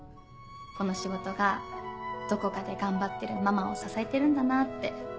この仕事がどこかで頑張ってるママを支えてるんだなって。